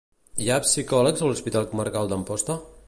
Hi ha psicòlegs a l'Hospital Comarcal d'Amposta?